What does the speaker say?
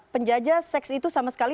penjajah seks itu sama sekali